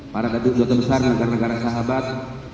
para dato jatah besar negara negara sahabat